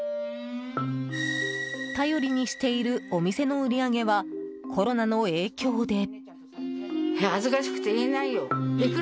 頼りにしているお店の売り上げはコロナの影響で。